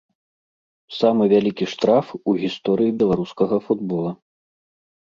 Самы вялікі штраф у гісторыі беларускага футбола.